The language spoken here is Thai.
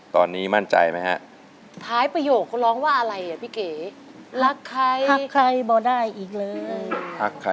ตอนนี้มั่นใจไหมฮะ